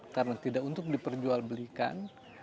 karena tidak untuk diperjual belikan